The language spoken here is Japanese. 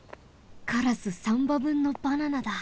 カラス３ばぶんのバナナだ。